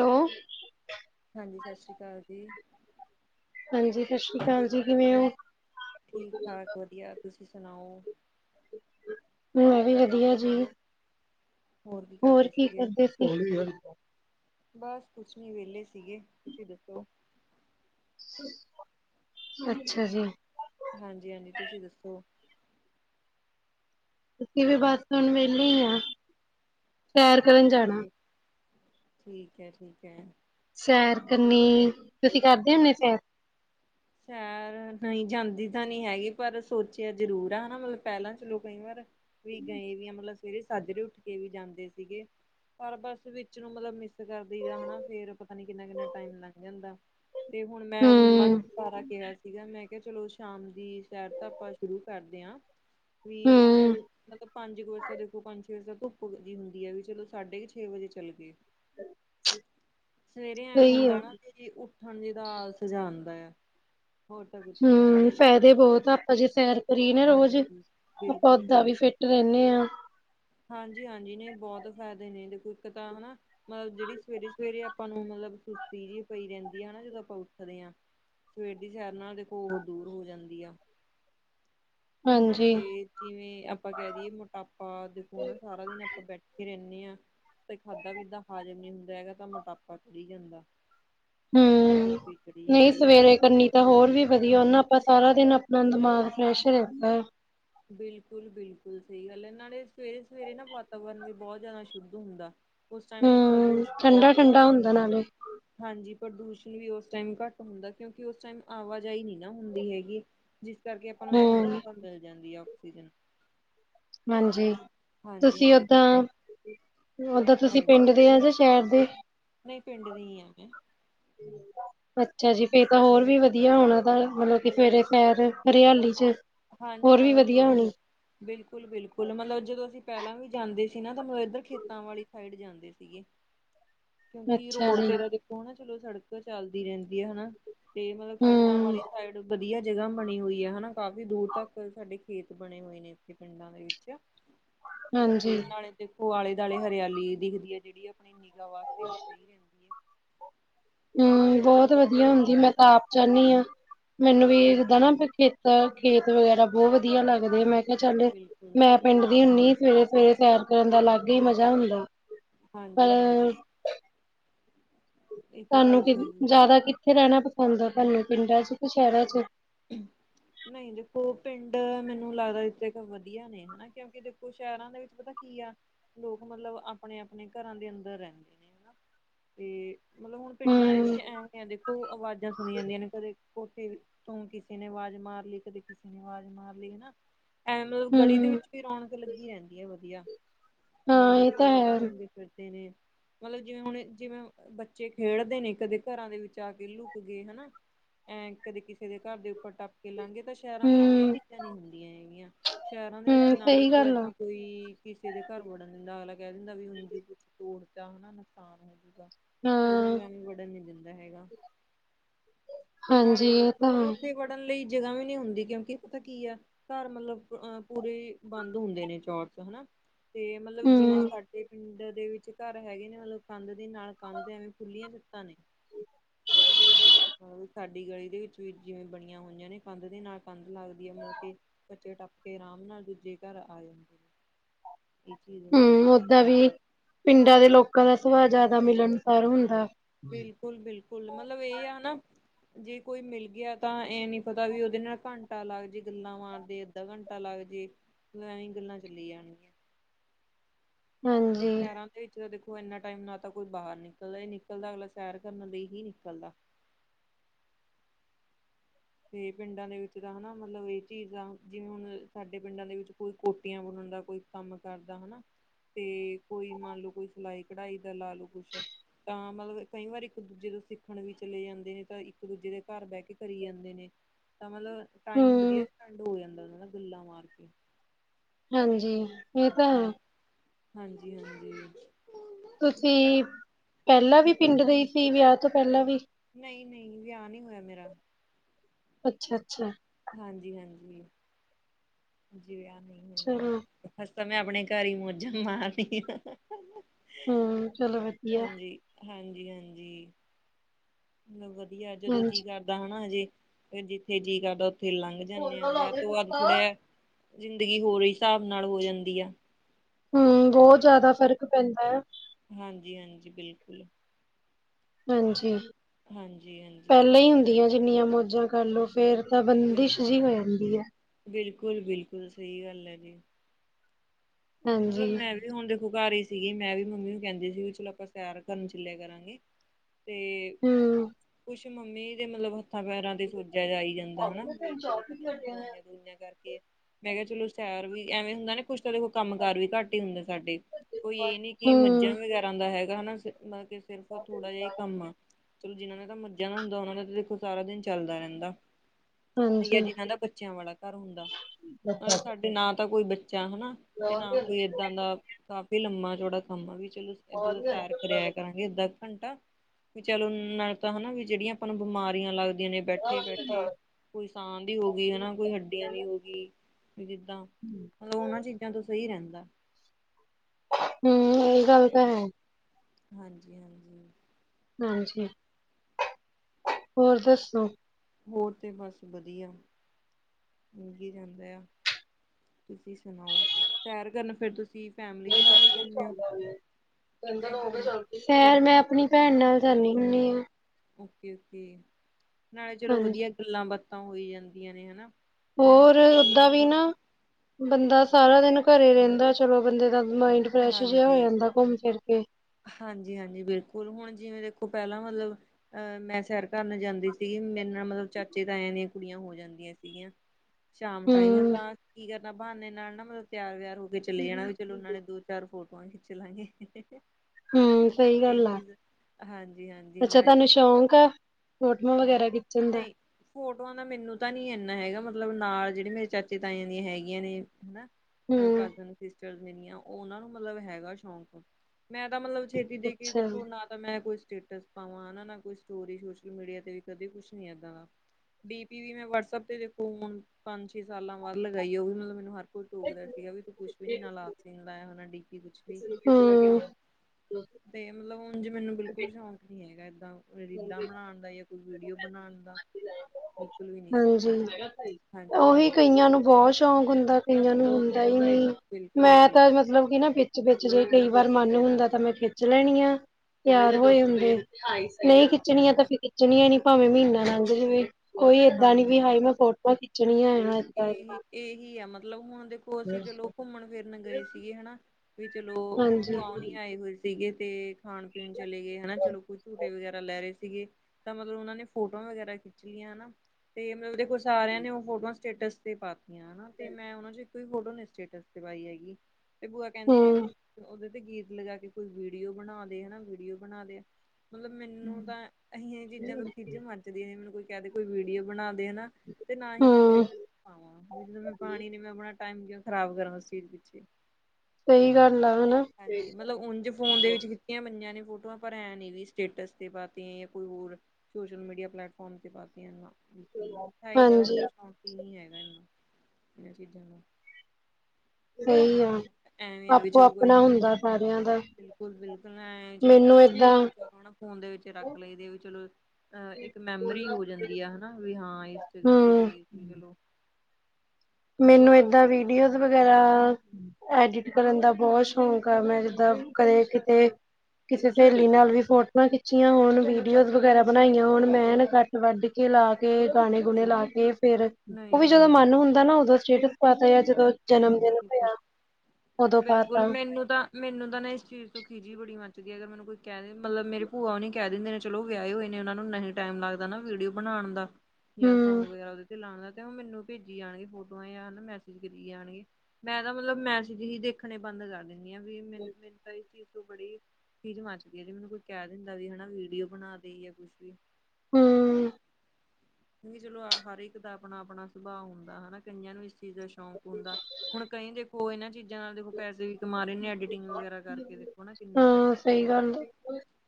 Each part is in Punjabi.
ਹੈਲੋ, ਹਾਂਜੀ ਸਸ਼੍ਰੀ ਕਾਲ ਜੀ। ਹਾਂਜੀ ਸਸ਼੍ਰੀ ਕਾਲ ਜੀ ਕਿਵੇਂ ਓ? ਠੀਕ-ਠਾਕ ਵਦੀਆ ਤੁਸੀਂ ਸੁਣਾਓ? ਮੈਂ ਵੀ ਵਦੀਆ ਜੀ। ਹੋਰ ਕੀ ਕਰਦੇ ਸੀ? ਬਸ ਕੁਛ ਨੀ, ਵਿਹਲੇ ਸੀਗੇ ਤੁਸੀਂ ਦੱਸੋ? ਅੱਛਾ ਜੀ। ਹਾਂਜੀ-ਹਾਂਜੀ, ਤੁਸੀਂ ਦੱਸੋ? ਅਸੀਂ ਵੀ ਬੱਸ ਹੁਣ ਵੇਲੇ ਈ ਆ, ਸੈਰ ਕਰਨ ਜਾਣਾ ਓਕੇ ਠੀਕ ਐ-ਠੀਕ ਐ। ਸੈਰ ਕਰਨੀ, ਤੁਸੀਂ ਕਰਦੇ ਹੁਨੇ ਸੈਰ? ਸ਼ੈਰ ਨਈ ਜਾਂਦੀ ਤਾਂ ਨੀ ਹੈਗੀ, ਪਰ ਸੋਚਿਆ ਜ਼ਰੂਰ ਆ, ਮਤਲਬ ਪੈਲਾਂ ਚਲੋ ਕਈ ਵਾਰ ਵੀ ਗਏ ਵੀ ਆ, ਮਲਬ ਸਵੇਰੇ ਸਾਜਰੇ ਉੱਠ ਕੇ ਵੀ ਜਾਂਦੇ ਸੀਗੇ, ਪਰ ਬਸ ਵਿੱਚ ਨੂੰ ਮਲਬ ਕਰਦੀ ਦਾ ਹਨਾ, ਫੇਰ ਪਤਾ ਨੀ ਕਿੰਨਾ-ਕਿੰਨਾ ਟਾਈਮ ਲੰਘ ਜਾਂਦਾ ਤੇ ਹੁਣ ਮੈਂ ਹੂੰ, ਦੁਬਾਰਾ ਕਿਹਾ ਸੀਗਾ ਮੈਂ ਕਿਹਾ ਚਲੋ ਸ਼ਾਮ ਦੀ ਸ਼ੈਰ ਤਾਂ ਆਪਾਂ ਸ਼ੁਰੂ ਕਰਦੇ ਆ। ਵੀ ਚਲੋ, ਹੂੰ। ਮਤਲਬ ਪੰਜ ਕੁ ਵਜੇ ਤਾ ਦੇਖੋ, ਪੰਜ ਫੇਰ ਤਾਂ ਧੁੱਪ ਜੀ ਹੁੰਦੀ ਆ ਵੀ ਚਲੋ, ਸਾਢੇ ਕ ਛੇ ਵਜੇ ਚੱਲ ਗਏ। ਸਵੇਰੇ ਐਵੇਂ ਸਹੀ ਆ, ਹੁੰਦਾ ਨਾ ਕਿ ਜੀ ਉੱਠਣ ਜੇ ਦਾ ਆਲਸ ਜਾ ਆਂਦਾ। ਹੋਰ ਤਾਂ ਕੁਛ ਨੀ ਹੂੰ, ਹੈਗਾ ਫੈਦੇ ਬੋਤ ਆ ਆਪਾਂ ਜੇ ਸੈਰ ਕਰੀਏ ਨਾ ਰੋਜ਼, ਹਾਂਜੀ ਓਦਾ ਵੀ ਬਿਲਕੁਲ-ਬਿਲਕੁਲ ਫਿਟ ਰੈਨੇ ਆਂ ਹਾਂਜੀ-ਹਾਂਜੀ, ਨਈ ਬੋਤ ਫੈਦੇ ਨੇ ਦੇਖੋ, ਇੱਕ ਤਾਂ ਹਨਾ ਮ ਜੇੜੀ ਸਵੇਰੇ-ਸਵੇਰੇ ਆਪਾਂ ਨੂੰ ਮਲਬ, ਸੁਸਤੀ ਜੀ ਪਈ ਰੈਦੀ ਆ ਨਾ, ਜਦੋਂ ਆਪਾਂ ਉੱਠਦੇ ਆਂ। ਸਵੇਰ ਦੀ ਸੈ਼ਰ ਨਾਲ ਦੇਖੋ, ਹੋਰ ਦੂਰ ਹੋ ਜਾਂਦੀ ਆ। ਹਾਂਜੀ, ਰਾਤੀ ਜਿਵੇਂ ਆਪਾਂ ਕੈ ਦਈਏ ਮੋਟਾਪਾ, ਦੇਖੋ ਹੁਣ ਸਾਰਾ ਦਿਨ ਆਪਾਂ ਬੈਠੇ ਰੈਨੇ ਆਂ। ਤੇ ਖਾਧਾ-ਪੀਧਾ ਹਾਜ਼ਮ ਨੀ ਹੁੰਦਾ ਹੈਗਾ ਤਾਂ ਮੋਟਾਪਾ ਚੜੀ ਜਾਂਦਾ। ਹੂੰ। ਚਰਬੀ ਚੜੀ ਨਹੀਂ ਜਾਂਦੀ ਆ। ਸਵੇਰੇ ਕਰਨੀ ਤਾਂ ਹੋਰ ਵੀ ਵਧੀਆ, ਓਹਨਾ ਆਪਾਂ ਸਾਰਾ ਦਿਨ ਆਪਣਾ ਦਿਮਾਗ ਫਰੈਸ਼ ਰੈਂਦਾ ਏ। ਬਿਲਕੁਲ-ਬਿਲਕੁਲ ਸਹੀ ਗੱਲ ਐ। ਨਾਲੇ ਸਵੇਰੇ-ਸਵੇਰੇ ਨਾ ਵਾਤਾਵਰਨ ਵੀ ਬੋਤ ਜ਼ਿਆਦਾ ਸ਼ੁੱਧ ਹੁੰਦਾ। ਓਸ ਟਾਈਮ ਹੂੰ, ਪ੍ਰਦੂਸ਼ਣ ਬੋਤ ਘੱਟ ਠੰਡਾ-ਠੰਡਾ ਹੁੰਦਾ। ਨਾਲੇ। ਹਾਂਜੀ, ਪ੍ਰਦੂਸ਼ਣ ਵੀ ਓਸ ਟਾਈਮ ਘੱਟ ਹੁੰਦਾ ਕਿਓਕੇ ਓਸ ਟਾਈਮ ਆਵਾਜਾਈ ਨੀ ਨਾ ਹੁੰਦੀ ਹੈਗੀ। ਜਿਸ ਕਰਕੇ ਆਪਾਂ ਨੂੰ ਸ਼ੁੱਧ ਹੂੰ, ਹਵਾ ਮਿਲ ਜਾਂਦੀ ਐ। ਔਕਸੀਜਨ ਹਾਂਜੀ, ਹਾਂਜੀ ਤੁਸੀਂ ਹਾਂਜੀ ਜਿਸ ਓਦਾਂ-ਓਦਾਂ ਤੁਸੀਂ ਪਿੰਡ ਦੇ ਆ ਜਾ ਸੈਰ੍ਹ ਦੇ ਨਈ ਪਿੰਡ ਦੀ ਆ ਮੈਂ [inaudible] ਅੱਛਾ ਜੀ, ਫੇਰ ਤਾਂ ਹੋਰ ਵੀ ਵਦੀਆ ਹੋਣਾ, ਮਲਬ ਕੀ ਫੇਰ ਖੈਰ ਹਰੀਆਲੀ ਚ ਹੋਰ ਵੀ ਹਾਂਜੀ-ਹਾਂਜੀ, ਵਧੀਆ ਹੋਣੀ ਬਿਲਕੁਲ। ਬਿਲਕੁਲ-ਬਿਲਕੁਲ, ਮਤਲਬ ਜਦੋਂ ਅਸੀਂ ਪੈਲਾਂ ਵੀ ਜਾਂਦੇ ਸੀ ਨਾ ਤਾਂ, ਮਬ ਏਦਰ ਖੇਤਾਂ ਵਾਲੀ ਸਾਈਡ ਜਾਂਦੇ ਸੀਗੇ। [unintelligible] ਕਿਓਕੇ ਅੱਛਾ ਰੋਡ ਜੀ ਤੇ ਤਾਂ ਦੇਖੋ ਨਾ ਚਲੋ, ਸੜਕ ਤਾਂ ਚੱਲਦੀ ਰੈਂਦੀ ਆ ਹਨਾ। ਤੇ ਮਲਬ ਖੇਤਾਂ ਹੂੰ, ਵਾਲੀ ਸਾਈਡ ਵਧੀਆ ਜਗ੍ਹਾ ਬਣੀ ਹੋਈ ਐ ਹਨਾ, ਕਾਫੀ ਦੂਰ ਤੱਕ ਸਾਡੇ ਖੇਤ ਬਣੇ ਹੋਏ ਨੇ ਏਥੇ ਪਿੰਡਾਂ ਦੇ ਵਿੱਚ, ਹਾਂਜੀ ਤੇ ਨਾਲੇ ਦੇਖੋ ਆਲੇ ਦਾਲੇ ਹਰੀਆਲੀ ਦਿਖਦੀ ਐ। ਜੇੜੀ ਆਪਣੀ ਨਿਗ੍ਹਾ ਵਾਸਤੇ ਵੀ ਸਹੀ ਰੈਂਦੀ ਏ। ਹੂੰ, ਬੋਤ ਵਧੀਆ ਹੁੰਦੀ ਆ, ਮੈਂ ਤਾਂ ਆਪ ਚਾਨੀ ਆ, ਮੈਨੂੰ ਵੀ ਏਦਾਂ ਹਾਂਜੀ, ਨਾ ਤਾਂ ਖੇਤ ਵਗੈਰਾ ਬੋ ਵਧੀਆ ਲੱਗਦੇ ਆ ਮੈਂ ਕਿਹਾ ਚੱਲ, ਬਿਲਕੁਲ-ਬਿਲਕੁਲ, ਮੈਂ ਪਿੰਡ ਦੀ ਹੁੰਨੀ ਸਵੇਰੇ-ਸਵੇਰੇ ਸੈਰ ਕਰਨ ਦਾ ਅਲੱਗ ਈ ਮਜ਼ਾ ਹੁੰਦਾ। ਹਾਂਜੀ-ਹਾਂਜੀ। ਪਰ ਇਹ ਤਾਂ ਤਾਨੂੰ ਗੱਲ ਕਿ ਸਹੀ ਹੈ। ਜ਼ਿਆਦਾ ਕਿੱਥੇ ਰਹਿਣਾ ਪਸੰਦ ਆ, ਤਾਨੂੰ ਪਿੰਡਾਂ ਚ ਕਿ ਸ਼ਹਿਰਾਂ ਚ? [inaudible] ਨਹੀਂ ਦੇਖੋ ਪਿੰਡ ਮੈਨੂੰ ਲੱਗਦਾ ਜਿੱਥੇ ਵਧੀਆ ਨੇ ਨਾ। ਕਿਉਂਕਿ ਦੇਖੋ ਸ਼ਹਿਰਾਂ ਦੇ ਵਿੱਚ ਪਤਾ ਕੀ ਆ, ਲੋਕ ਮਤਲਬ ਆਪਣੇ- ਆਪਣੇ ਘਰਾਂ ਦੇ ਅੰਦਰ ਐ। [inaudible] ਤੇ ਮਤਲਬ ਹੁਣ ਪਿੰਡਾਂ ਦੇ ਹੂੰ, ਵਿੱਚ ਇਹ ਵੇ ਆ 'ਦੇਖੋ ਆਵਾਜ਼ਾਂ ਸੁਣ ਜਾਂਦੀਆਂ ਨੇ ਕਦੇ ਕੋਠੇ ਤੋਂ ਕਿਸੇ ਨੇ ਆਵਾਜ਼ ਮਾਰ ਲਈ, ਕਦੇ ਕਿਸੇ ਨੇ ਆਵਾਜ਼ ਮਾਰ ਲਈ ਹਨਾ, ਐ ਗਲੀ ਦੇ ਹੂੰ, ਵਿੱਚ ਰੌਣਕ ਲੱਗੀ ਰਹਿੰਦੀ ਹੈ ਵਧੀਆ, ਹਾਂ ਇਹ ਤਾਂ ਬੱਚੇ ਗਾਹ ਹੈ। ਪਾਉਂਦੇ ਫਿਰਦੇ ਨੇ ਮਤਲਬ ਜਿਵੇਂ ਹੁਣ ਜਿਵੇਂ ਬੱਚੇ ਖੇਡਦੇ ਨੇ, ਕਦੇ ਘਰਾਂ ਦੇ ਵਿੱਚ ਆ ਕੇ ਲੁਕ ਗਏ ਹਨਾ। ਐਂ ਕਦੇ ਕਿਸੇ ਦੇ ਘਰ ਦੇ ਉੱਪਰ ਟੱਪ ਕੇ ਲੰਘ ਤਾਂ ਸ਼ਹਿਰਾਂ ਦੇ ਵਿੱਚ ਇਹ ਹੂੰ, ਚੀਜ਼ਾਂ ਨਹੀਂ ਹੁੰਦੀਆਂ ਹੈਗੀਆਂ, ਸ਼ਹਿਰਾਂ ਦੇ ਵਿੱਚ ਹੂੰ ਨਾ ਸਹੀ ਦੇਖੋ ਗੱਲ ਆ। ਏਦਾਂ ਕੋਈ ਕਿਸੇ ਦੇ ਘਰ ਵੜਨ ਦਿੰਦਾ ਅ, ਅਗਲਾ ਕਹਿ ਦਿੰਦਾ ਵੀ ਹੁਣ ਜੋ ਕੁਛ ਤੋੜਤਾ ਹਨਾ, ਨੁਕਸਾਨ ਹੋਜੂਗਾ। ਕੋਈ ਹਾਂ, ਮੁੰਡਿਆਂ ਨੂੰ ਵੜਨ ਨੀ ਦਿੰਦਾ ਹੈਗਾ। ਤੇ ਹਾਂਜੀ ਨਾਲੇ ਇਹ ਤਾਂ ਮਤਲਬ ਹੈ। ਉੱਥੇ ਵੜ੍ਹਨ ਲਈ ਜਗ੍ਹਾ ਵੀ ਨਹੀਂ ਹੁੰਦੀ। ਕਿਉਂਕਿ ਪਤਾ ਕੀ ਆ, ਘਰ ਮਤਲਬ ਅਹ ਪੂਰੇ ਬੰਦ ਹੁੰਦੇ ਨੇ ਚੋਰਚ ਹਨਾ ਤੇ ਮਤਲਬ ਜਿਵੇਂ ਹੂੰ, ਸਾਡੇ ਪਿੰਡ ਦੇ ਵਿੱਚ ਘਰ ਹੈਗੇ ਨੇ ਮਤਲਬ, ਕੰਧ ਦੀ ਨਾਲ ਕੰਧ ਐਵੇਂ ਖੁਲੀਆਂ ਛਤਾਂ ਨੇ। [inaudible] ਓਵੀ ਸਾਡੀ ਗਲੀ ਦੇ ਵਿੱਚ ਵੀ ਜਿਵੇਂ ਬਣੀਆਂ ਹੋਈਆਂ ਨੇ, ਕੰਧ ਦੇ ਨਾਲ ਕੰਧ ਲੱਗਦੀ ਹੈ ਮਤਲਬ ਕਿ ਬੱਚੇ ਟੱਪ ਕੇ ਆਰਾਮ ਨਾਲ ਦੂਜੇ ਘਰ ਆ ਜਾਂਦੇ। ਹ [inaudible] ਇਹ ਚੀਜ਼ ਹੂਂ ਰਹਿੰਦੀ ਓਦਾਂ ਵੀ, ਪਿੰਡਾਂ ਦੇ ਲੋਕਾਂ ਦਾ ਸੁਭਾਅ ਜ਼ਿਆਦਾ ਮਿਲਣਸਾਰ ਹੁੰਦਾ। ਬਿਲਕੁਲ, ਬਿਲਕੁਲ। ਮਤਲਬ ਏ ਆ ਨਾ ਜੇ ਕੋਈ ਮਿਲ ਗਿਆ ਤਾਂ ਐ ਨੀ ਪਤਾ ਵੀ ਓਦੇ ਨਾਲ ਘੰਟਾ ਲੱਗ ਜੇ ਗੱਲਾਂ ਮਾਰਦੇ। ਅੱਧਾ ਘੰਟਾ ਲੱਗ ਜੇ, ਐਂ ਈ ਗੱਲਾਂ ਚੱਲੀ ਜਾਣੀ ਗੀਆਂ। ਤੇ ਹਾਂਜੀ, ਪੈਰਾਂ ਵਿੱਚ ਤੇ ਦੇਖੋ ਏਨਾ ਟਾਈਮ ਨਾ ਤਾਂ ਕੋਈ ਬਾਹਰ ਨਿਕਲਦਾ ਹੀ ਨਿਕਲਦਾ, ਅਗਲਾ ਸੈਰ ਕਰਨ ਲਈ ਹੀ ਨਿਕਲਦਾ। ਤੇ ਪਿੰਡਾਂ ਦੇ ਵਿੱਚ ਜਾਂ ਹਨਾ ਮਤਲਬ ਏ ਚੀਜ਼ ਆ, ਜਿਵੇਂ ਹੁਣ ਸਾਡੇ ਪਿੰਡਾਂ ਦੇ ਵਿੱਚ ਕੋਈ ਕੋਟੀਆਂ ਬੁਣਨ ਦਾ ਕੋਈ ਕੰਮ ਕਰਦਾ ਹਨਾ, ਤੇ ਕੋਈ ਮੰਨ ਲਓ ਕੋਈ ਸਿਲਾਈ ਕਢਾਈ ਦਾ ਲਾ ਲਓ ਕੁਛ। ਤਾਂ ਮਲਬ ਕਈ ਵਾਰੀ ਇੱਕ ਦੂਜੇ ਤੋਂ ਸਿੱਖਣ ਵੀ ਚਲੇ ਜਾਂਦੇ ਨੇ, ਤਾਂ ਇੱਕ ਦੂਜੇ ਦੇ ਘਰ ਬਹਿ ਕੇ ਕਰੀ ਜਾਂ ਦੇ ਨੇ, ਤਾਂ ਮਤਲਬ ਟਾਈਮ ਹੂੰ, ਵਧੀਆ ਸਪੈਂਡ ਹੋ ਜਾਂਦਾ ਓਨਾ ਦਾ ਗੱਲਾਂ ਮਾਰ ਕੇ। ਹਾਂਜੀ। ਇਹ ਤਾਂ ਹੂ, ਹੈ। ਹਾਂਜੀ, ਹਾਂਜੀ। ਤੁਸੀ, ਪਹਿਲਾਂ ਵੀ ਪਿੰਡ ਦੇ ਈ ਸੀ, ਵਿਆਹ ਤੋਂ ਪਹਿਲਾਂ ਵੀ? ਨਈ, ਨਈ ਵਿਆ ਨੀ ਹੋਇਆ ਮੇਰਾ। ਅੱਛਾ, ਅੱਛਾ। ਹਾਂਜੀ, ਹਾਂਜੀ। ਜੀ ਵਿਆ ਨੇ ਚਲੋ ਹਸੇ ਤਾਂ ਮੈਂ ਅਪਣੇ ਘਰ ਈ ਮੌਜਾਂ ਮਾਰਨੀ ਆਂ। ਹੂੰ ਚਲੋ ਵਧੀਆ ਹਾਂਜੀ, ਹਾਂਜੀ, ਹਾਂਜੀ। ਮਤਲਬ ਵਧੀਆ, ਜਦੋਂ ਜੀਅ ਹਾਂਜੀ। ਕਰਦਾ ਹਨਾ ਹਜੇ, ਜਿੱਥੇ ਜੀਅ ਕਰਦਾ ਓਥੇ ਲਂਘ ਜਾਂਨੇ ਆਂ, ਵਿਆ ਤੋਂ ਬਾਦ ਥੁੜੇ, ਜ਼ਿੰਦਗੀ ਹੋਰ ਹਿਸਾਬ ਨਾਲ ਹੋ ਜਾਂਦੀ ਆ। ਹੂੰ, ਬੋਤ ਜਾਦਾ ਫ਼ਰਕ ਪੈਂਦਾ ਐ। ਹਾਂਜੀ, ਹਾਂਜੀ ਬਿਲਕੁਲ। ਹਾਂਜੀ। ਹਾਂਜੀ ਹਾਂਜੀ। ਦੀਆ ਜਿੰਨੀਆਂ ਮੌਜਾਂ ਕਰਲੋ ਫੇਰ ਤਾਂ ਬਿਲ ਬੰਦਿਸ਼ ਜੀ ਹੋ ਜਾਂਦੀ ਐ। ਬਿਲਕੁਲ ਬਿਲਕੁਲ ਸਹੀ ਗੱਲ ਐ ਜੀ। ਹਾਂਜੀ ਮਤਲਬ ਮੈਂ ਵੀ ਹੁਣ ਦੇਖੋ ਘਰ ਈ ਸੀਗੀ। ਮੈਂ ਵੀ ਮੰਮੀ ਨੂੰ ਕਹਿੰਦੀ ਸੀ ਵੀ ਚਲੋ ਆਪਾਂ ਸੈਰ ਕਰਨ ਚਲਿਆ ਕਰਾਂਗੇ। ਤੇ ਹੂੰ ਕੁਛ ਮੰਮੀ ਦੇ ਮਲਬ ਹੱਥਾਂ ਪੈਰਾਂ ਤੇ ਸੋਜਾ ਜਾ ਆਈ ਜਾਂਦਾ ਹਨਾ ਵੀ ਪਤਾ ਨੀ ਦਵਾਈਆਂ ਦਵੂਈਆਂ ਕਰਕੇ। ਮੈਂ ਕਿਹਾ ਚਲੋ ਸੈਰ ਵੀ ਐਵੇਂ ਹੁੰਦਾ ਨਾ ਕੁਛ ਤਾਡੇ ਕੋ ਕੰਮ ਕਾਰ ਵੀ ਘੱਟ ਈ ਹੁੰਦਾ ਸਾਡੇ। ਕੋਈ ਐ ਨੀ ਕਿ ਮੱਝਾਂ ਹੂੰ ਵਗੈਰਾ ਦਾ ਹੈਗਾ ਹਨਾ ਸ ਮਤ ਕਿ ਸਿਰਫ ਥੋੜਾ ਜਾ ਈ ਕੰਮ ਆ। ਚਲੋ ਜਿਨਾਂ ਨੇ ਤਾਂ ਮੱਝਾਂ ਦਾ ਹੁੰਦਾ ਓਨਾਂ ਨੇ ਤੇ ਦੇਖੋ ਸਾਰਾ ਦਿਨ ਚੱਲਦਾ ਰਹਿੰਦਾ। ਹਾਂਜੀ ਯਾ ਜਿਨਾਂ ਦਾ ਬੱਚੇਆਂ ਵਾਲਾ ਘਰ ਹੁੰਦਾ। ਮਤ ਸਾਡੇ ਨਾ ਤਾਂ ਕੋਈ ਬੱਚਾ ਹਨਾ। ਤੇ ਨਾ ਕੋਈ ਏਦਾਂ ਦਾ ਕਾਫ਼ੀ ਲੰਮਾ ਚੋੜਾ ਕੰਮ ਆ। ਵੀ ਚਲੋ ਏਦੋਂ ਤੇ ਸੈਰ ਕਰਿਆ ਆਏਆ ਕਰਾਂਗੇ ਕੇ ਅੱਧਾ ਘੰਟਾ ਵੀ ਚਲੋ ਨਾਲ ਤਾਂ ਹਨਾ ਵੀ ਜੇੜੀਆਂ ਆਪਾਂ ਨੂੰ ਬਿਮਾਰੀਆਂ ਲੱਗਦੀਆਂ ਨੇ। ਬੈਠੇ ਬੈਠੇ ਕੋਈ ਸਾਂਹ ਦੀ ਹੋ ਗਈ ਹੈਨਾ ਕੋਈ ਹੱਡੀਆਂ ਦੀ ਹੋਗੀ। ਜਿੱਦਾਂ ਮਲਬ ਓਨਾਂ ਚੀਜ਼ਾਂ ਤੋਂ ਸਹੀ ਰਹਿੰਦਾ। ਹੂੰ। ਏ ਗੱਲ ਤਾਂ ਹੈ। ਹਾਂਜੀ ਹਾਂਜੀ। ਹਾਂਜੀ। ਹੋਰ ਦੱਸੋ। ਹੋਰ ਤੇ ਬਸ ਵਧੀਆ। ਲੰਘੀ ਜਾਂਦਾ ਆ। ਤੁਸੀ ਸੁਣਾਓ। ਸੈਰ ਕਰਨ ਫੇਰ ਤੁਸੀ ਫੈਮਿਲੀ ਦੇ ਨਾਲ ਜਾਨੇ ਓ? ਯਾਂ ਏਥੇ। ਸੈਰ ਮੈਂ ਅਪਣੀ ਭੈਣ ਨਾਲ ਜਾਂਦੀ ਹੁੰਨੀ ਆਂ। Okay okay. ਨਾਲੇ ਚਲੋ ਹਾਂਜੀ ਵਧੀਆ ਗੱਲਾਂ ਬਾਤਾਂ ਹੋਈ ਜਾਂਦੀਆਂ ਨੇ ਹੈਨਾ। ਹੋਰ ਓਦਾਂ ਵੀ ਨਾ ਬੰਦਾ ਸਾਰਾ ਦਿਨ ਘਰੇ ਰਹਿੰਦਾ। ਚਲੋ ਬੰਦੇ ਦਾ ਮਾਇੰਡ ਫਰੈਸ਼ ਜਾ ਹੋ ਹਾਂਜੀ ਜਾਂਦਾ ਘੁੰਮ ਫੇਰ ਕੇ। ਹਾਂਜੀ ਹਾਂਜੀ ਬਿਲਕੁਲ। ਹੁਣ ਜਿਵੇਂ ਵੇਖੋ ਪਹਿਲਾਂ ਮਲਬ ਅਹ ਮੈਂ ਸੈਰ ਕਰਨ ਜਾਂਦੀ ਸੀਗੀ, ਮੇਰੇ ਨਾਲ ਮਤਲਬ ਚਾਚੇ ਤਾਾਇਆਂ ਦੀਆਂ ਕੁੜੀਆਂ ਹੋ ਜਾਂਦੀਆਂ ਸੀਗੀਆਂ। [inaudible] ਸ਼ਾਮ ਟਾਈਮ ਹੂੰ ਤਾਂ ਕੀ ਕਰਨਾ ਬਹਾਨੇ ਨਾਲ ਨਾ ਮਤਲਬ ਤਿਆਰ ਵਿਆਰ ਹੋ ਕੇ ਚਲੇ ਜਾਣਾ ਵੀ ਚਲੋ ਨਾਲੇ ਉਹਨਾਂ ਨੇ ਦੋ ਚਾਰ ਫੋਟੋਆਂ ਖਿੱਚ ਲਾਂਗੇ। ਹਮ ਸਹੀ ਇਹ ਗੱਲ ਆ, ਚੀਜ਼ ਹਾਂਜੀ ਹਾਂਜੀ ਅੱਛਾ ਨਾਲੇ ਤੁਹਾਨੂੰ ਸ਼ੌਂਕ ਆ। ਫੋਟੋਆਂ ਵਗੈਰਾ ਖੀ ਨਹੀਂ। ਫੋਟੋਆਂ ਦਾ ਮੈਨੂੰ ਤਾਂ ਨੀ ਇੰਨਾ ਹੈਗਾ, ਮਤਲਬ ਨਾਲ ਜਿਹੜੇ ਮੇਰੇ ਚਾਚੇ ਤਾਾਈਆਂ ਦੀਆਂ ਹੈਗੀਆਂ ਨੇ ਹਨਾ। ਅ ਹੂੰ ਕਜ਼ਨ ਸਿਸਟਰ ਜਿੜੀਆਂ ਉਹ ਉਹਨਾਂ ਨੂੰ ਮਤਲਬ ਹੈਗਾ ਸ਼ੌਕ। ਮੈਂ ਤਾਂ ਮਤਲਬ ਛੇਤੀ ਦੇ ਕੇ ਅੱਛਾ ਦੇਖੋ ਨਾ ਮੈਂ ਕੋਈ ਸਟੇਟਸ ਪਾਵਾਂ ਨਾ ਕੋਈ ਸਟੋਰੀ ਸੋਸ਼ਲ ਮੀਡੀਆ ਤੇ ਵੀ ਕਦੇ ਕੁਛ ਨੀ ਏਦਾਂ ਦਾ। ਡੀ ਪੀ ਵੀ ਮੈਂ ਵਟਸਐਪ ਤੇ ਦੇਖੋ ਹੁਣ ਪੰਜ ਛੇ ਸਾਲਾਂ ਬਾਅਦ ਲਗਾਈ ਉਹ ਵੀ ਮਤਲਬ ਮੈਨੂੰ ਹਰ ਕੋਈ ਟੋਕਦਾ ਠੀਕਾ ਵੀ ਤੂੰ ਕੁਛ ਵੀ ਨੀ ਨਾ ਸੀ ਲਾਇਆ ਓਥੇ ਡੀ ਪੀ ਕੁਛ ਵੀ ਤਾਂ ਹਮ। ਤੇ ਮਤਲਬ ਉਝ ਮੈਨੂੰ ਬਿਲਕੁਲ ਸ਼ੌਂਕ ਨੀ ਹੈਗਾ, ਏਦਾਂ ਰੀਲਾਂ ਬਣਾਉਣ ਦਾ ਜਾਂ ਕੁਝ ਵੀ ਨੀ ਹਾਂਜੀ, ਉਹੀ ਹਾਂਜੀ ਕਈਆਂ ਨੂੰ ਬੋਤ ਸ਼ੌਕ ਹੁੰਦਾ ਕਈਆਂ ਨੂੰ ਹੁੰਦਾ ਈ ਹੀ ਨਹੀਂ ਬਿਲਕੁਲ ਮੈਂ ਤਾਂ ਬਿਲਕੁਲ ਮਤਲਬ ਕੀ ਨਾ ਵਿੱਚ ਜੇ ਕਈ ਵਾਰ ਮਨ ਹੁੰਦਾ ਤਾਂ ਮੈਂ ਖਿੱਚ ਲੈਣੀ ਆ, ਤਿਆਰ ਹੋਏ ਹਾਂਜੀ ਹੁੰਦੇ ਨਹੀਂ ਖਿੱਚਣੀਆਂ ਤਾ ਖਿੱਚਣੀਆਂ ਨੀ ਭਾਵੇਂ ਮਹੀਨਾ ਲੰਘ ਜਾਵੇ। ਕੋਈ ਏਦਾਂ ਨੀ ਵੀ, ਹਾਏ ਮੈਂ ਫੋਟੋਆਂ ਖਿੱਚਣੀਆਂ ਏਦਾਂ। ਏਹੀ ਏਹੀ ਹੈ ਮਤਲਬ ਹੁਣ ਦੇ ਅਸੀਂ ਚਲੋ ਘੁੰਮਣ ਫਿਰਨ ਗਏ ਸੀਗੇ, ਹਨਾ ਵੀ ਚਲੋ ਹਾਂਜੀ ਭੂਆ ਹੋਨੀ ਆਏ ਹੋਏ ਸੀ ਸੀਗੇ ਤੇ ਖਾਣ ਪੀਣ ਚਲੇ ਗਏ ਹਨਾ ਚਲੋ ਕੋਈ ਝੂਟੇ ਵਗੈਰਾ ਲੈ ਰਹੇ ਸੀਗੇ। ਤਾਂ ਮਤਲਬ ਉਹਨਾ ਨੇ ਫੋਟੋਆਂ ਵਗੈਰਾ ਖਿੱਚ ਲਈਆਂ ਹੈਨਾ, ਤੇ ਮਤਲਬ ਦੇਖੋ ਸਾਰਿਆਂ ਨੇ ਉਹ ਫੋਟੋਆਂ ਸਟੇਟਸ ਤੇ ਪਾਤੀਆਂ ਹਨਾ, ਤੇ ਮੈਂ ਉਹਨਾਂ ਚ ਇੱਕ ਫੋਟੋ ਨ ਸਟੇਟਸ ਤੇ ਪਾਈ ਹੈਗੀ। ਤੇ ਭੁਆ ਕਹਿੰਦੀ ਰਹੀ ਹੂੰ ਕੋਈ ਉਹਦੇ ਤੇ ਗੀਤ ਲਗਾ ਕੇ, ਕੋਈ ਵੀਡੀਓ ਬਣਾ ਦੇ ਹੈਨਾ ਵੀਡੀਓ ਬਣਾ ਦੇ। ਮਤਲਬ ਮੈਨੂੰ ਤਾਂ ਅਹੀਆਂਆਂ ਚੀਜ਼ਾਂ ਤੋਂ ਖਿੱਚ ਮਚਦੀ ਨੀ ਮੈਨੂੰ ਕੋਈ ਕਹਿ ਕੋਈ ਵੀਡੀਓ ਬਣਾਦੇ ਹੈਨਾ, ਤੇ ਨਾ ਹੀ ਮੈਂ ਸ ਹੂੰ ਜਦੋਂ ਮੈਂ ਪਾਣੀ ਨੀ, ਮੈਂ ਆਪਣਾ ਟਾਇਮ ਕਿਉਂ ਖਰਾਬ ਕਰਾਂ ਉਸ ਚੀਜ਼ ਪੀਛੇ ਸਹੀ ਗੱਲ ਆ ਹਨਾ। ਹਾਂਜੀ ਮਤਲਬ ਉਝ ਫੋਨ ਦੇ ਵਿੱਚ ਖਿੱਚੀਆਂ ਪਈਆਂ ਨੇ ਫੋਟੋਆਂ, ਪਰ ਐ ਨ ਵੀ ਸਟੇਟਸ ਤੇ ਪਾਤੇ ਜਾਂ ਕੋਈ ਹੋਰ ਸੋਸ਼ਲ ਮੀਡੀਆ ਪਲੇੈਟਫਾਰਮ ਤੇ ਪਾਤੀਆਂ ਨਾ। ਬਿਲਕੁਲ ਹੈ ਹੀ ਨੀ ਹਾਂਜੀ ਮਤਲਬ ਸ਼ੌਕ ਹੀ ਨੀ ਹੈਗਾ, ਇਹਨਾਂ ਚੀਜ਼ਾਂ ਦਾ। ਸਹੀ ਏ। ਐਵੇਂ ਆ ਵੀ ਚਲੋ ਕੋਈ ਦਾ ਬਿਲਕੁਲ, ਬਿਲਕੁਲ ਐਵੇਂ ਚਲੋ ਮੈਨੂੰ ਖਿੱਚ ਕੇ ਏਦਾਂ ਦੋ ਚਾਰ ਹਨਾ। ਫੋਨ ਦੇ ਵਿੱਚ ਰੱਖ ਲਈਦੇ ਵੀ ਚਲੋ ਅਹ ਇੱਕ ਮੈਮਰੀ ਹੋ ਜਾਂਦੀ ਆ, ਹੈਨਾ ਵੀ ਹਾਂ ਇਸ ਜਗਾਹ ਤੇ ਹੂੰ ਗਏ। ਕੀ ਗਲੋਂ। ਮੈਨੂੰ ਏਦਾਂ ਵੀਡੀਓਸ ਵਗੈਰਾ ਐਡਿਟ ਕਰਨ ਦਾ ਬਹੁਤ ਸ਼ੌਕ ਆ, ਮੈਂ ਜਿਦਾਂ ਕਦੇ ਕਿਤੇ ਕਿਸੇ ਸਹੇਲੀ ਨਾਲ ਵੀ ਫੋਟੋਆਂ ਖਿੱਚੀਆਂ ਹੋਣ, ਵੀਡੀਓ ਵਗੈਰਾ ਬਣਾਈਆਂ ਹੋਣ ਮੈ ਨਾ ਟ ਵੱਢ ਕੇ ਲਾ ਕੇ ਗਾਣੇ ਗੁਣੇ ਓਕੇ ਲਾ ਕੇ, ਫੇਰ ਉਹ ਵੀ ਨਹੀਂ ਜਦੋਂ ਨਹੀਂ ਮਨ ਹੁੰਦਾ ਨਾ ਜਦੋਂ ਸਟੇਟਸ ਪਾਤਾ, ਯਾ ਜਦੋਂ ਜਨਮ ਦਿਨ ਬਿਲਕੁਲ, ਹੋਇਆ ਉਦੋਂ ਬਿਲਕੁਲ ਪਾਤਾ ਮੈਨੂੰ ਤਾਂ ਮੈਨੂੰ ਤਾਂ ਨਾ ਇਸ ਚੀਜ਼ ਤੋਂ ਖਿਝੀ ਬੜੀ ਮੱਚਦੀ ਹੈ, ਅਗਰ ਮੈਨੂੰ ਕੋਈ ਕਹਿ ਮਤਲਬ ਮੇਰੇ ਭੂਆ ਉਹ ਨੀ ਕਹਿ ਦਿੰਦੇ ਨੇ ਚਲੋ ਵਿਆਹੇ ਹੋਏ ਨੇ ਉਹ ਨੂੰ ਨਹੀਂ ਟਾਈਮ ਲੱਗਦਾ ਨਾ ਵੀਡੀਓ ਬਣਾਉਣ ਦਾ। ਜਾਂ ਹੂੰ ਸੌਗ ਵਗੈਰਾ ਉਹਦੇ ਤੇ ਲਾਉਣ ਦਾ, ਤੇ ਉਹ ਮੈਨੂੰ ਭੇਜੀ ਜਾਣਗੇ ਫੋਟੋਆਂ ਜਾਂ ਮੈਸੇਜ ਕਰੀ ਜਾਣਗੇ। ਮੈਂ ਤਾਂ ਮਤਲਬ ਮੈਂਸਜ ਹੀ ਦੇਖਣੇ ਬੰਦ ਕਰ ਦਿੰਦੀ ਹਾਂ ਵੀ ਮੈਨੂੰ ਮੈਨੂੰ ਤਾਂ ਇਸ ਚੀਜ਼ ਤੋਂ ਬੜੀ ਖਿਜ਼ ਮਚਦੀ ਜੀ ਮੈਨੂੰ ਕੋਈ ਕਹਿ ਦਿੰਦਾ ਵੀ ਹਨਾ ਵੀਡੀਓ ਬਣਾ ਦੇਈ ਆ ਕੁਛ ਵੀ ਹੂ ਨਹੀਂ ਚਲੋ ਹਰ ਇੱਕ ਦਾ ਆਪਣਾ ਆਪਣਾ ਸੁਭਾਅ ਹੁੰਦਾ, ਹੈਨਾ ਕਈਆਂ ਨੂੰ ਇਸ ਚੀਜ਼ ਦਾ ਸ਼ੌਕ ਹੁੰਦਾ। ਹੁਣ ਕਈ ਦੇਖੋ ਇਹਨਾਂ ਚੀਜ਼ਾਂ ਨਾਲ ਦੇਖੋ ਪੈਸੇ ਵੀ ਕਮਾ ਰਹੇ ਨੇ, ਐਡੀਟਿੰਗ ਵਗੈਰਾ ਕਰਕੇ ਦੇਖੋ ਨਾ ਕਿੰਨੇ ਹਾਂ ਪੈਸੇ ਸਹੀ ਕਮਾ ਰਹੇ। ਗੱਲ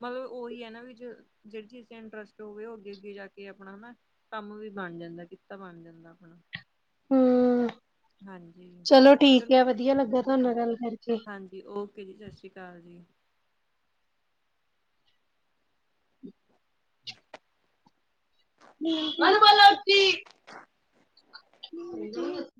ਮਤਲਬ ਉਹੀ ਹੈ ਨਾ ਵੀ ਜਿਹੜੀ ਚੀਜ਼ ਤੇ ਇੰਟਰਸਟ ਹੋਵੇ ਉਹ ਅੱਗੇ ਅੱਗੇ ਜਾ ਕੇ ਆਪਣਾ ਹੈਨਾ ਕੰਮ ਵੀ ਬਣ ਜਾਂਦਾ ਕਿੱਤਾ ਬਣ ਜਾਂਦਾ ਆਪਣਾ ਹੂ, ਹਾਂਜੀ। ਚਲੋ ਠੀਕ ਹੈ ਵਧੀਆ ਲੱਗਾ ਤੁਹਾਡੇ ਨਾਲ ਗੱਲ ਕਰਕੇ ਜੀ ਔਕੇ ਜੀ, ਸਤਿ ਸ਼੍ਰੀ ਅਕਾਲ ਜੀ। [unintelligible] ਹ [unintelligible] [inaudible]